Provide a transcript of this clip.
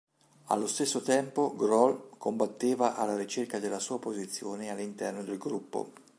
Allo stesso tempo, Grohl combatteva alla ricerca della sua posizione all'interno del gruppo.